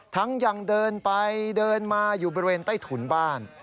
ยังเดินไปเดินมาอยู่บริเวณใต้ถุนบ้าน